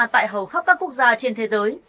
tại hầu khắp các quốc gia trên thế giới